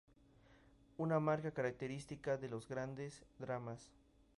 Una marca característica de los grandes dramas.